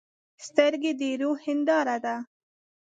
سترګې د روح هنداره ده.